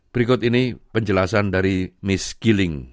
berikut ini penjelasan dari miss giling